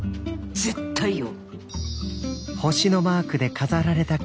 絶対よ。